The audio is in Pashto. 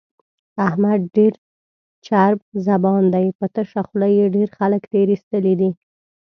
احمد ډېر چرب زبان دی، په تشه خوله یې ډېر خلک تېر ایستلي دي.